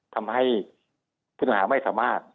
ทำให้ผู้ต้องหาไม่สามารถ